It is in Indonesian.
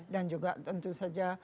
dan juga tentu saja